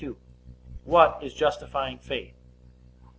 What is justifying faith?